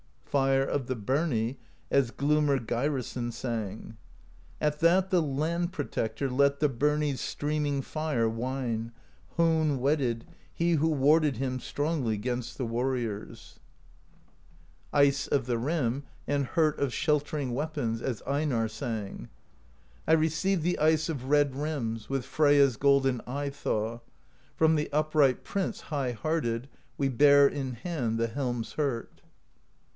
Fire of the Birnie, as Glumr Geirason sang: At that the Land Protector Let the Birnie's Streaming Fire whine. Hone whetted, he who warded Him strongly 'gainst the warriors. THE POESY OF SKALDS 187 Ice of the Rim, and Hurt of Sheltering Weapons, as Einarr sang: I received the Ice of Red Rims, With Freyja's golden Eye Thaw, From the upright prince high hearted; . We bear in hand the Helm's Hurt.